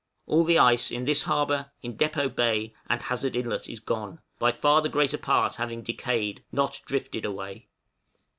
All the ice in this harbor, in Depôt Bay, and Hazard Inlet, is gone, by far the greater part having decayed, not drifted away.